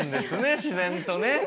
自然とね。